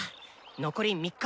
残り３日！